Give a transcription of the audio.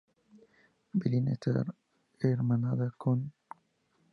Bílina está hermanada con